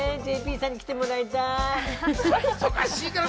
ＪＰさんに来てもらいたい。